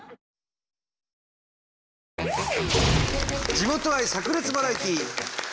地元愛さく裂バラエティー！